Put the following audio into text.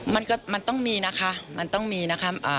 มันก็มันต้องมีนะคะมันต้องมีนะคะ